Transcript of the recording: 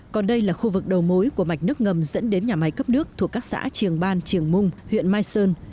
còn đây là khu vực đầu mối của mạch nước ngầm dẫn đến nhà máy cấp nước thuộc các xã triềng ban triềng mung huyện mai sơn